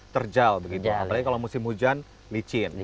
terjal begitu apalagi kalau musim hujan licin